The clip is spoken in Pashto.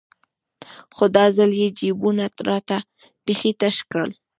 خو دا ځل يې جيبونه راته بيخي تش كړل.